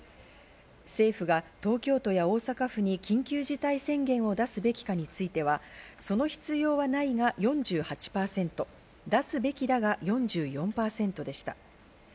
政府が東京都や大阪府に緊急事態宣言を出すべきかについては、その必要はないが４８％、出すべきだは４４％でした。